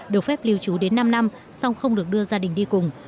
được phép lưu trú đến năm năm song không được đưa gia đình đi cùng